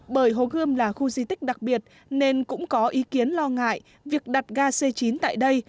bởi hồ gươm là khu di tích đặc biệt nên cũng có ý kiến lo ngại việc đặt ga c chín tại đây